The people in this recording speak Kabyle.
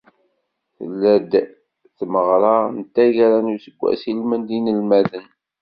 Tella-d tmeɣra n taggara n useggas ilmend n yinelmaden.